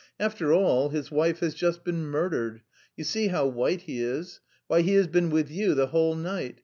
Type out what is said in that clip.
"After all, his wife has just been murdered. You see how white he is.... Why, he has been with you the whole night.